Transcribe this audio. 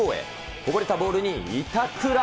こぼれたボールに板倉。